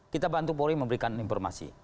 kita bantu polri memberikan informasi